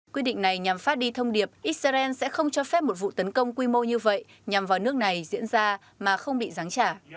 quyết định này nhằm phát đi thông điệp israel sẽ không cho phép một vụ tấn công quy mô như vậy nhằm vào nước này diễn ra mà không bị giáng trả